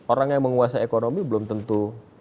orang yang menguasai ekonomi belum tentu